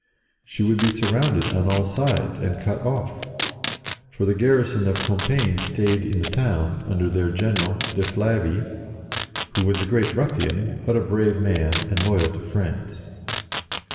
She would be surrounded on all sides and cut off, for the garrison of Compiegne stayed in the town, under their general, de Flavy, who was a great ruffian, but a brave man, and loyal to France.